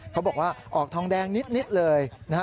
เขาบอกว่าออกทองแดงนิดเลยนะฮะ